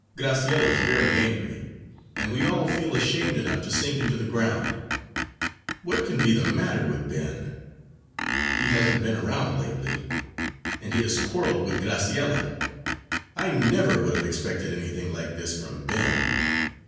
Graciella is very angry, and we all feel ashamed enough to sink into the ground. What can be the matter with Ben? He hasn't been around lately, and he has quarrelled with Graciella. I never would have expected anything like this from Ben."